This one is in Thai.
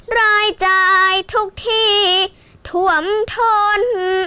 รายใจทุกที่ถว่ำทน